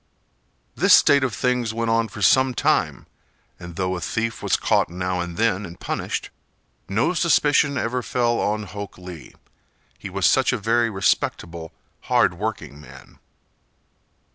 This state of things went on for some time, and though a thief was caught now and then and punished, no suspicion ever fell on Hok Lee, he was such a very respectable, hard working man.